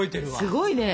すごいね。